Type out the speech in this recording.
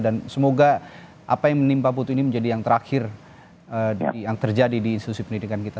dan semoga apa yang menimpa putu ini menjadi yang terakhir yang terjadi di institusi pendidikan kita